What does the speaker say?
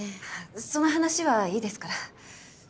その話はいいですから。